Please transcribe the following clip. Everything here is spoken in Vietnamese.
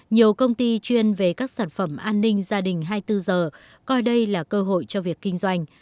nhiều công ty chuyên về các sản phẩm an ninh gia đình hai mươi bốn h coi đây là cơ hội cho việc kinh doanh